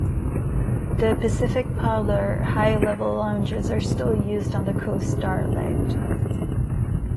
The "Pacific Parlour" Hi-Level lounges are still used on the "Coast Starlight".